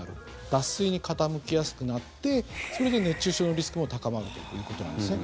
脱水に傾きやすくなってそれで熱中症のリスクも高まるということなんですね。